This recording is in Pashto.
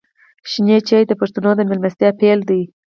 شین چای د پښتنو د میلمستیا پیل دی.